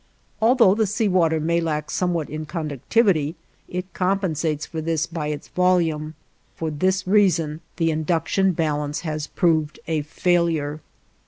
Although the sea water may lack somewhat in conductivity, it compensates for this by its volume. For this reason, the induction balance has proved a failure.